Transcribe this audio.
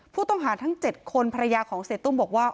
ผู้ต้องหาทั้ง๗คนภรรยาของเสียตุ้มบอกว่า